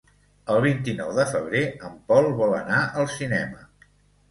El vint-i-nou de febrer en Pol vol anar al cinema.